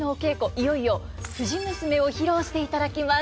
いよいよ「藤娘」を披露していただきます。